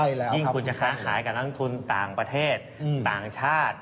ยิ่งคุณจะค้าขายกับนักทุนต่างประเทศต่างชาติ